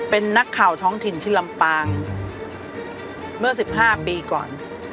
เป็นนักข่าวท้องถิ่นที่ลำปางเมื่อ๑๕ปีก่อน